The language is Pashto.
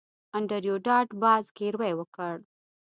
انډریو ډاټ باس زګیروی وکړ